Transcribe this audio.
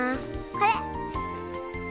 これ。